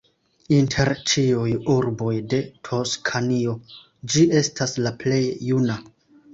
Inter ĉiuj urboj de Toskanio ĝi estas la plej juna.